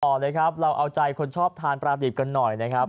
ต่อเลยครับเราเอาใจคนชอบทานปลาดิบกันหน่อยนะครับ